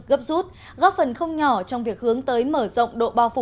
gấp rút góp phần không nhỏ trong việc hướng tới mở rộng độ bao phủ